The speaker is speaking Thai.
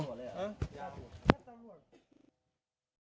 ยากกว่าเลยหรือยากกว่า